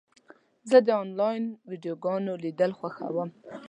زه د انلاین ویډیوګانو لیدل خوښوم.